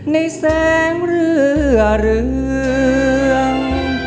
ในแสงเรือเรือง